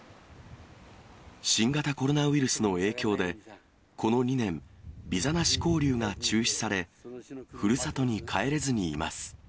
新型コロナウイルスの影響で、この２年、ビザなし交流が中止され、ふるさとに帰れずにいます。